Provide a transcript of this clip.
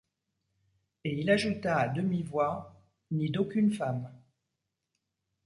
Et il ajouta à demi-voix ;— Ni d’aucune femme.